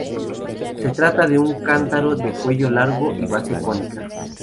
Se trata de un cántaro de cuello largo y base cónica.